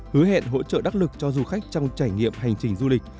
hứa hẹn hỗ trợ đắc lực cho du khách trong trải nghiệm hành trình du lịch